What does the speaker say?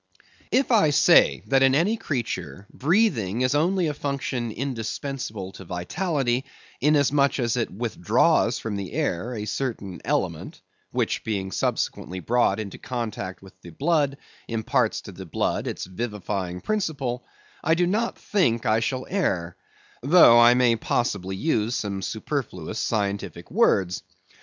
If I say, that in any creature breathing is only a function indispensable to vitality, inasmuch as it withdraws from the air a certain element, which being subsequently brought into contact with the blood imparts to the blood its vivifying principle, I do not think I shall err; though I may possibly use some superfluous scientific words.